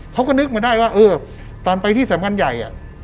เขาก็นึกมาได้ว่าตอนไปที่แสบการณ์ใหญ่